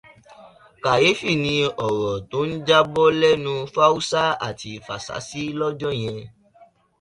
Kàyéfì ni ọ̀rọ̀ tó ń jábọ́ lẹ́nu Fáúsá àti Fàsásí lọ́jọ́ yẹn